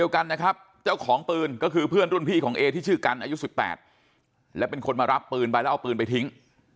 กันนะครับเจ้าของปืนก็คือเพื่อนรุ่นพี่ของเอที่ชื่อกันอายุ๑๘และเป็นคนมารับปืนไปแล้วเอาปืนไปทิ้ง